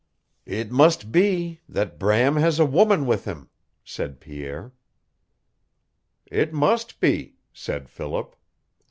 "It must be that Bram has a woman with him," said Pierre. "It must be," said Philip.